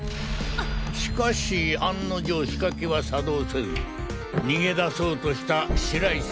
しかし案の定仕掛けは作動せず逃げ出そうとした白石さんを。